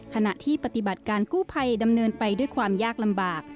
ขณะที่ปฏิบัติการกู้ภัยดำเนินไปด้วยความยากลำบาก